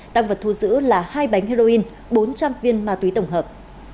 tăng vật thu giữ là hai bánh heroin bốn trăm linh viên ma túy tổng hợp